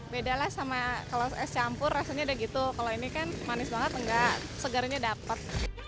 bedalah sama kalau es campur rasanya udah gitu kalau ini kan manis banget enggak segarnya dapat